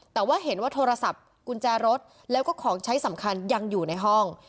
แต่ว่าเห็นว่าโทรศัพท์กุญแจรถแล้วก็ของใช้สำคัญยังอยู่ในห้อง